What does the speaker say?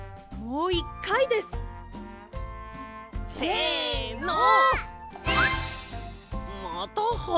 もう１かいです！せの！